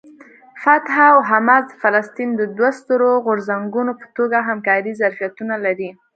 فتح او حماس د فلسطین د دوو سترو غورځنګونو په توګه همکارۍ ظرفیتونه لري.